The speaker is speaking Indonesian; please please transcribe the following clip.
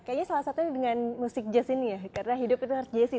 kayaknya salah satunya dengan musik jazz ini ya karena hidup itu harus jazzy